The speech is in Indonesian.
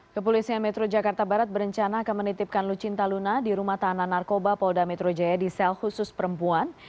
kepolisian metro jakarta barat berencana akan menitipkan lucinta luna di rumah tahanan narkoba polda metro jaya di sel khusus perempuan